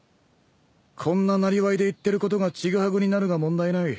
こんななりわいで言ってることがちぐはぐになるが問題ない。